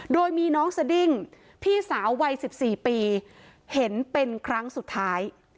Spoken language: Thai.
โดยมีน้องสดิ้งพี่สาววัย๑๔ปีเห็นเป็นครั้งสุดท้าย